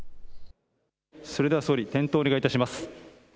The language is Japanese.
それでは総理、点灯をお願いいたします。